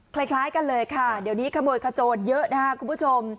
คล้ายคล้ายกันเลยค่ะเดี๋ยวนี้ขโมยขโจทย์เยอะนะฮะคุณผู้ชม